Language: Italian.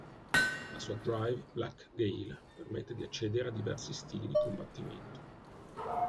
La sua Drive "Black Gale" permette di accedere a diversi stili di combattimento.